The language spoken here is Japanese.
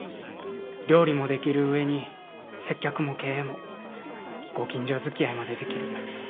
料理もできる上に接客も経営もご近所づきあいまでできる。